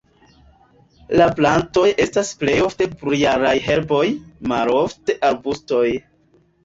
La plantoj estas plej ofte plurjaraj herboj, malofte arbustoj.